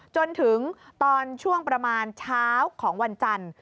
จนถึงตอนช่วงประมาณเช้าของวันจันทร์